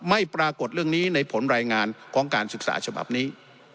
ไม่ปรากฏเรื่องนี้ในผลรายงานของการศึกษาฉบับนี้